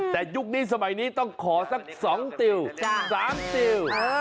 แต่ยุคนี้สมัยนี้ต้องขอสัก๒ติว๓ติว